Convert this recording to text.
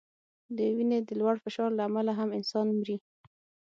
د وینې د لوړ فشار له امله هم انسانان مري.